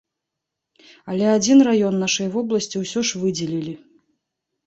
Але адзін раён нашай вобласці ўсё ж выдзелілі.